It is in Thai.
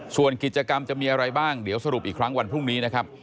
ส่วนกิจกรรมจะมีอะไรบ้างเดี๋ยวสรุปอีกครั้งวันพรุ่งนี้นะครับ